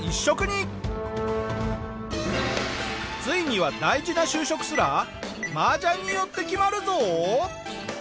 ついには大事な就職すら麻雀によって決まるぞ！